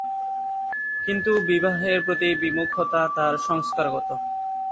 কিন্তু বিবাহের প্রতি বিমুখতা তার সংস্কারগত।